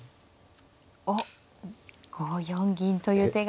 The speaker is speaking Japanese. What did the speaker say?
おっ５四銀という手が。